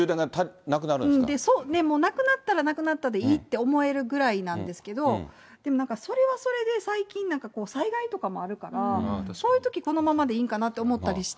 そう、もうなくなったら、なくなったでいいって思えるぐらいなんですけど、それはそれで最近なんか、災害とかもあるから、そういうときこのままでいいんかなと思ったりして。